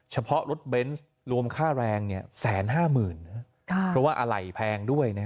เฉพาะรถเบนส์รวมค่าแรงเนี้ยแสนห้าหมื่นค่ะเพราะว่าอไหล่แพงด้วยน่ะ